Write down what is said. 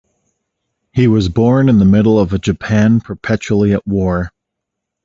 He was born in the middle of a Japan perpetually at war.